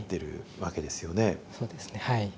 そうですねはい。